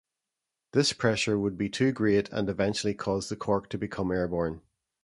This pressure would be too great and eventually cause the cork to become airborne.